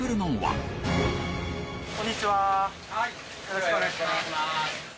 よろしくお願いします。